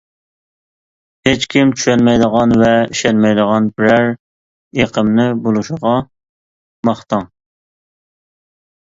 ھېچكىم چۈشەنمەيدىغان ۋە ئىشەنمەيدىغان بىرەر ئېقىمنى بولۇشىغا ماختاڭ.